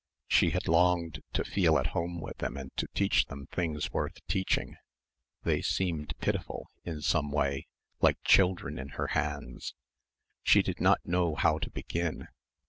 She had longed to feel at home with them and to teach them things worth teaching; they seemed pitiful in some way, like children in her hands. She did not know how to begin.